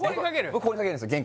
僕ここにかけるんですよ